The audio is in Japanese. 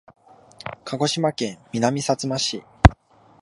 鹿児島県南さつま市